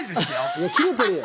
いや切れてるよ！